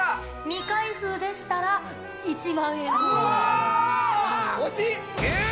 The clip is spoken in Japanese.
未開封でしたら、１万円のお値段。